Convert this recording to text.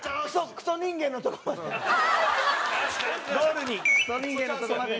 クソ人間の所まで。